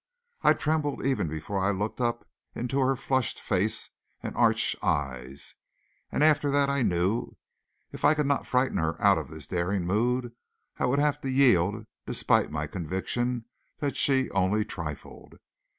I trembled even before I looked up into her flushed face and arch eyes; and after that I knew if I could not frighten her out of this daring mood I would have to yield despite my conviction that she only trifled.